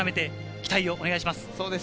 期待をお願いします。